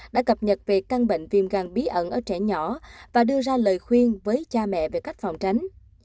đã cập nhật về căn bệnh viêm gan bí ẩn ở trẻ nhỏ và đưa ra lời khuyên với cha mẹ về cách phòng tránh